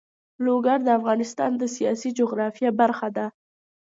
لوگر د افغانستان د سیاسي جغرافیه برخه ده.